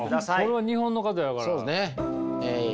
これは日本の方やから。